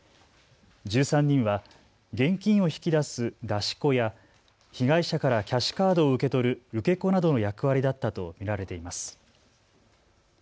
１３人は、現金を引き出す出し子や被害者からキャッシュカードを受け取る受け子などの役割だったと見られています。